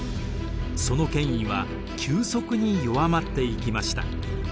その権威は急速に弱まっていきました。